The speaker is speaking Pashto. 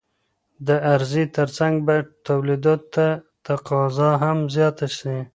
د عرضې ترڅنګ بايد توليداتو ته تقاضا هم زياته سي.